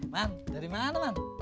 man dari mana man